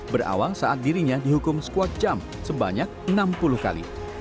berawal saat dirinya dihukum squad jump sebanyak enam puluh kali